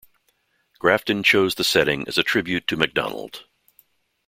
Grafton chose the setting as a tribute to Macdonald.